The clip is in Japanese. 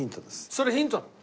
それヒントなの。